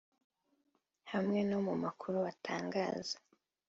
hamwe no mu makuru batangaza